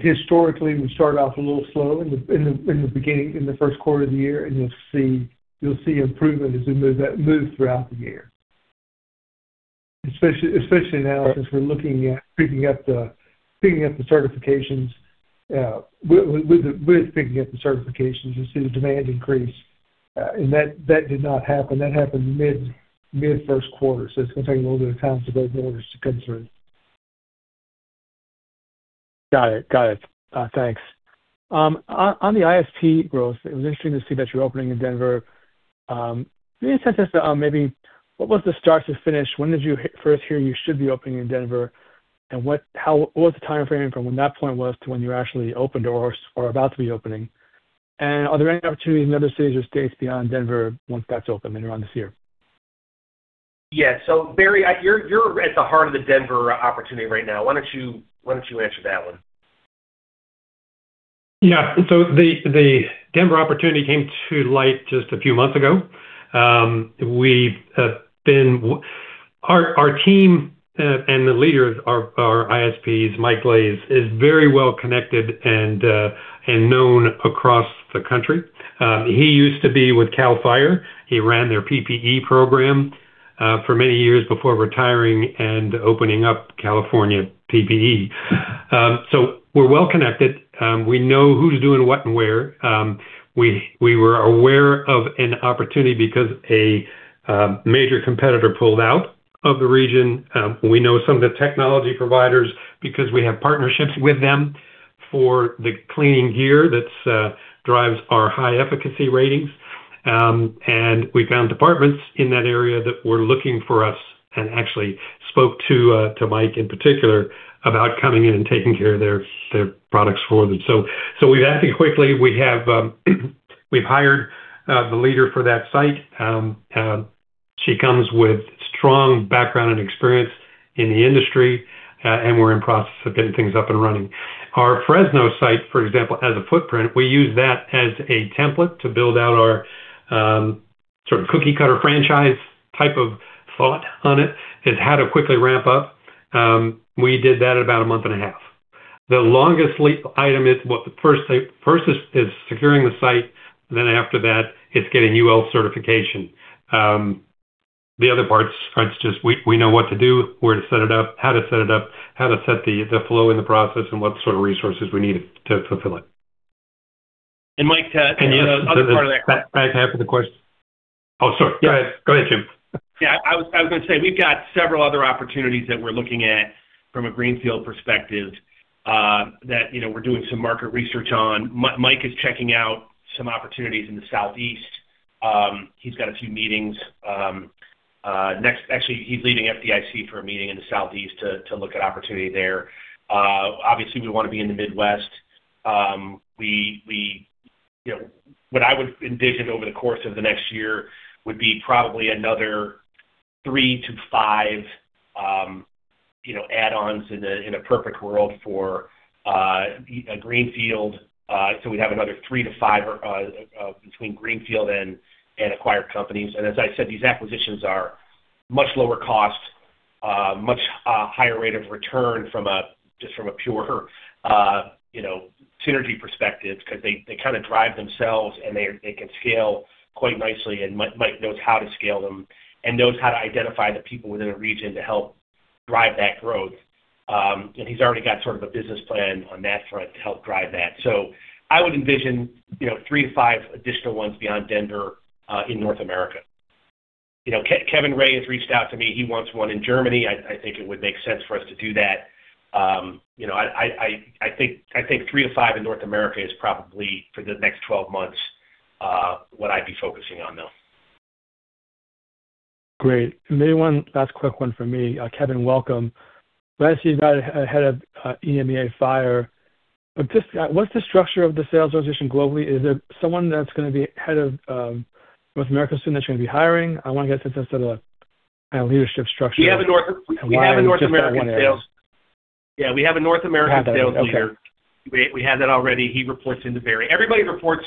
historically, we start off a little slow in the beginning, in the Q1 of the year. You'll see improvement as we move throughout the year. Especially now, since we're looking at picking up the certifications. With picking up the certifications, you'll see the demand increase. That did not happen. That happened mid-Q1. It's going to take a little bit of time for those orders to come through. Got it. Thanks. On the ISP growth, it was interesting to see that you're opening in Denver. Maybe a sense as to maybe what was the start to finish, when did you first hear you should be opening in Denver? And what was the time framing from when that point was to when you actually opened or are about to be opening? And are there any opportunities in other cities or states beyond Denver once that's open later on this year? Yeah. Barry, you're at the heart of the Denver opportunity right now. Why don't you answer that one? Yeah. The Denver opportunity came to light just a few months ago. Our team and the leader of our ISPs, Mike Glaze, is very well connected and known across the country. He used to be with CAL FIRE. He ran their PPE program for many years before retiring and opening up California PPE. We're well connected. We know who, what, and where. We were aware of an opportunity because a major competitor pulled out of the region. We know some of the technology providers because we have partnerships with them for the cleaning gear that drives our high efficacy ratings. We found departments in that area that were looking for us and actually spoke to Mike in particular about coming in and taking care of their products for them. We've acted quickly. We've hired the leader for that site. She comes with strong background and experience in the industry, and we're in the process of getting things up and running. Our Fresno site, for example, has a footprint. We use that as a template to build out our sort of cookie-cutter franchise type of thought on it is how to quickly ramp up. We did that in about a month and a half. The longest lead item is first securing the site, then after that, it's getting UL certification. The other parts, it's just we know what to do, where to set it up, how to set it up, how to set the flow in the process, and what sort of resources we need to fulfill it. Mike, to the other part of that. Can I answer the question? Oh, sorry. Go ahead, Jim. Yeah. I was going to say, we've got several other opportunities that we're looking at from a greenfield perspective that we're doing some market research on. Mike is checking out some opportunities in the Southeast. He's got a few meetings. Actually, he's leaving FDIC for a meeting in the Southeast to look at opportunity there. Obviously, we want to be in the Midwest. What I would envision over the course of the next year would be probably another three to five add-ons in a perfect world for a greenfield. We'd have another three to five between greenfield and acquired companies. As I said, these acquisitions are much lower cost, much higher rate of return just from a pure synergy perspective because they kind of drive themselves, and they can scale quite nicely and Mike knows how to scale them and knows how to identify the people within a region to help drive that growth. He's already got sort of a business plan on that front to help drive that. I would envision three to five additional ones beyond Denver in North America. Kevin Rae has reached out to me. He wants one in Germany. I think it would make sense for us to do that. I think three to five in North America is probably, for the next 12 months, what I'd be focusing on, though. Great. Maybe one last quick one from me. Kevin, welcome. Glad to see you've got a head of EMEA Fire. What's the structure of the sales organization globally? Is it someone that's going to be head of North America soon that you're going to be hiring? I want to get a sense of the leadership structure. We have a North American sales leader. Okay. We have that already. He reports into Barry. Everybody reports.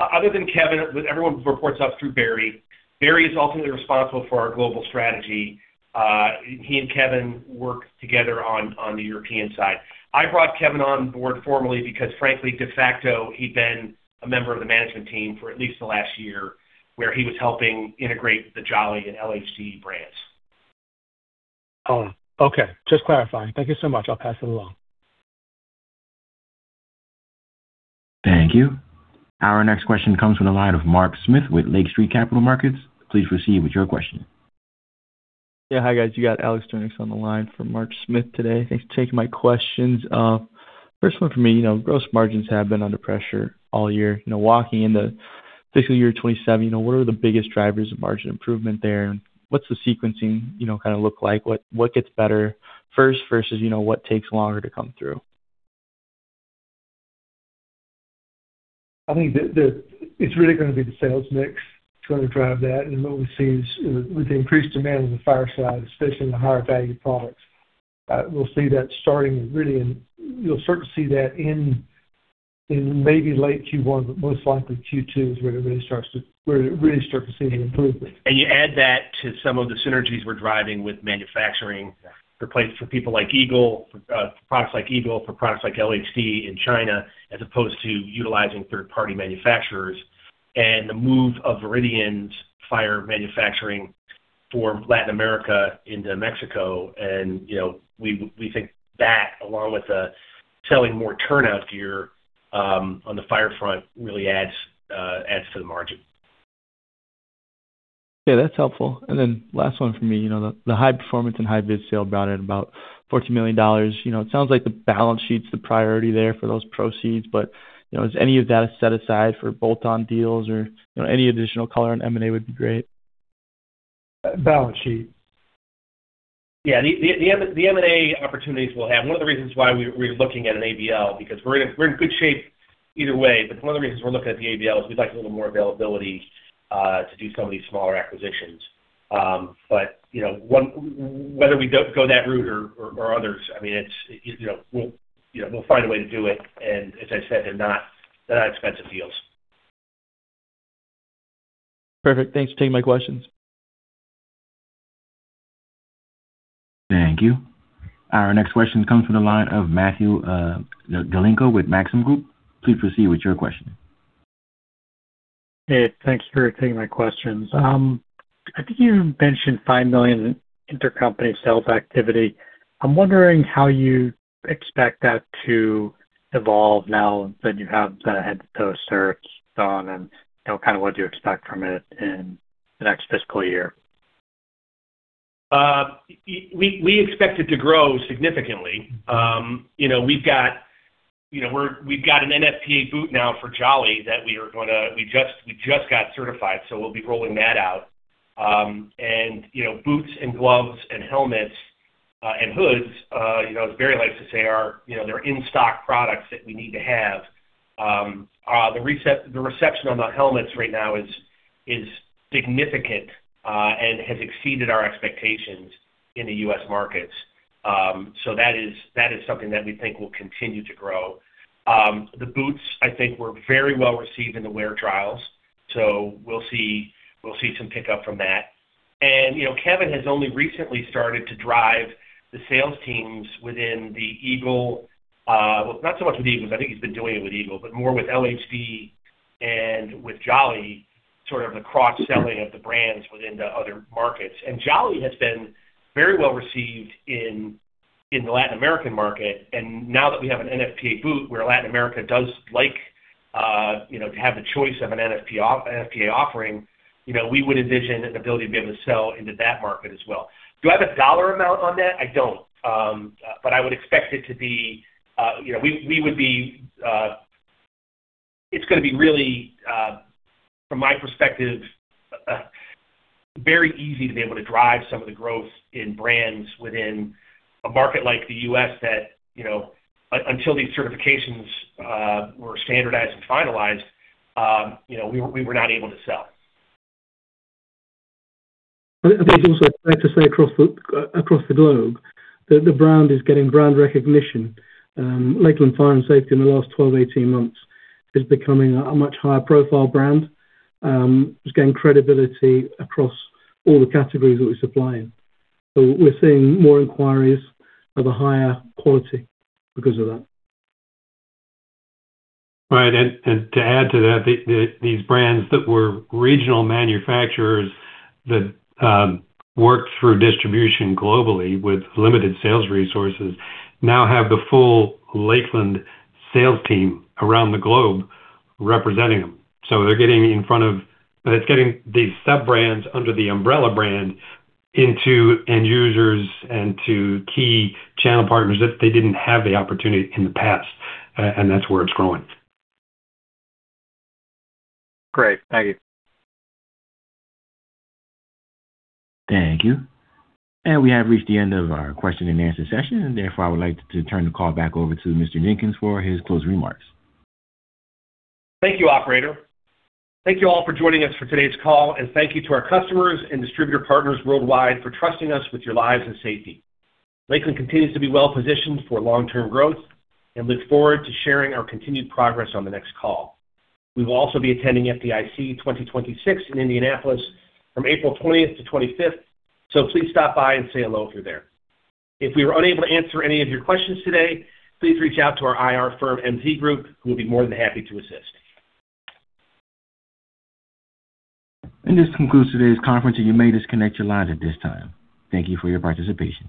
Other than Kevin, everyone reports up through Barry. Barry is ultimately responsible for our global strategy. He and Kevin work together on the European side. I brought Kevin on board formally because frankly, de facto, he'd been a member of the management team for at least the last year, where he was helping integrate the Jolly and LHD brands. Oh, okay. Just clarifying. Thank you so much. I'll pass it along. Thank you. Our next question comes from the line of Mark Smith with Lake Street Capital Markets. Please proceed with your question. Yeah. Hi, guys. You got Alex Tournis on the line for Mark Smith today. Thanks for taking my questions. First one for me, gross margins have been under pressure all year. Walking into FY2027, what are the biggest drivers of margin improvement there, and what's the sequencing look like? What gets better first versus what takes longer to come through? I think that it's really gonna be the sales mix that's gonna drive that. What we see is with the increased demand on the fire side, especially in the higher value products, you'll start to see that in maybe late Q1, but most likely Q2 is where it really starts to see the improvement. You add that to some of the synergies we're driving with manufacturing. Yeah. For people like Eagle, for products like Eagle, for products like LHD in China, as opposed to utilizing third-party manufacturers. The move of Veridian's fire manufacturing for Latin America into Mexico and we think that along with selling more turnout gear on the fire front really adds to the margin. Yeah, that's helpful. Then last one for me. The high performance and high vis sale brought in about $14 million. It sounds like the balance sheet's the priority there for those proceeds, but is any of that set aside for bolt-on deals or any additional color on M&A would be great. Balance sheet. Yeah. The M&A opportunities we'll have. One of the reasons why we're looking at an ABL, because we're in good shape either way, but one of the reasons we're looking at the ABL is we'd like a little more availability to do some of these smaller acquisitions. Whether we go that route or others, we'll find a way to do it. As I said, they're not expensive deals. Perfect. Thanks for taking my questions. Thank you. Our next question comes from the line of Matthew Galinko with Maxim Group. Please proceed with your question. Hey, thanks for taking my questions. I think you mentioned $5 million in intercompany sales activity. I'm wondering how you expect that to evolve now that you have the head to toe certs on and, kind of what do you expect from it in the next fiscal year? We expect it to grow significantly. We've got an NFPA boot now for Jolly that we just got certified, so we'll be rolling that out. Boots and gloves and helmets, and hoods, as Barry likes to say, they're in-stock products that we need to have. The reception on the helmets right now is significant, and has exceeded our expectations in the U.S. markets. That is something that we think will continue to grow. The boots, I think, were very well-received in the wear trials, so we'll see some pickup from that. Kevin has only recently started to drive the sales teams within the Eagle. Well, not so much with Eagles, I think he's been doing it with Eagle, but more with LHD and with Jolly, sort of the cross-selling of the brands within the other markets. Jolly has been very well-received in the Latin American market, and now that we have an NFPA boot, where Latin America does like to have the choice of an NFPA offering, we would envision an ability to be able to sell into that market as well. Do I have a dollar amount on that? I don't. It's gonna be really, from my perspective, very easy to be able to drive some of the growth in brands within a market like the U.S. that, until these certifications were standardized and finalized, we were not able to sell. I think it's also fair to say across the globe that the brand is getting brand recognition. Lakeland Fire + Safety in the last 12-18 months is becoming a much higher profile brand. It's gained credibility across all the categories that we supply in. We're seeing more inquiries of a higher quality because of that. Right. To add to that, these brands that were regional manufacturers that worked through distribution globally with limited sales resources now have the full Lakeland sales team around the globe representing them. It's getting these sub-brands under the umbrella brand into end users and to key channel partners that they didn't have the opportunity in the past. That's where it's growing. Great. Thank you. Thank you. We have reached the end of our question and answer session, and therefore, I would like to turn the call back over to Mr. Jenkins for his closing remarks. Thank you, operator. Thank you all for joining us for today's call. Thank you to our customers and distributor partners worldwide for trusting us with your lives and safety. Lakeland continues to be well-positioned for long-term growth and look forward to sharing our continued progress on the next call. We will also be attending FDIC 2026 in Indianapolis from April 20 to April 25, so please stop by and say hello if you're there. If we were unable to answer any of your questions today, please reach out to our IR firm, MZ Group, who will be more than happy to assist. This concludes today's conference, and you may disconnect your lines at this time. Thank you for your participation.